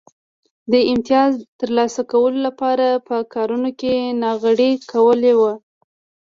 د امیتاز ترلاسه کولو لپاره په کارونو کې ناغېړي کول و